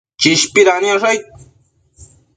Chishpida niosh aid